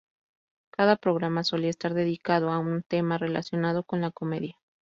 Cada programa solía estar dedicado a un tema relacionado con la comedia.